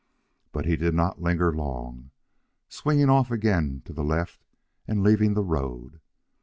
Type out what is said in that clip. But he did not linger long, swinging off again to the left and leaving the road.